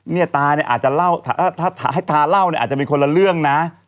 เนี่ยตาเนี่ยอาจจะเล่าถ้าให้ตาเล่าเนี่ยอาจจะเป็นคนละเรื่องนะ